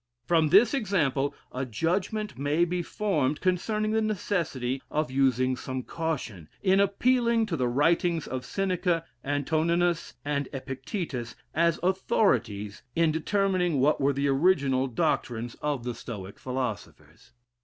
From this example, a judgment may be formed concerning the necessity of using some caution, in appealing to the writings of Seneca, Antoninus, and Epictetus, as authorities, in determining what were the original doctrines of the Stoic philosophers.